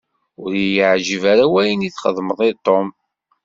Ur y-iεǧib ara wayen i s-txedmeḍ i Tom.